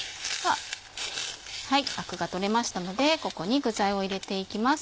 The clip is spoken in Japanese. アクが取れましたのでここに具材を入れていきます。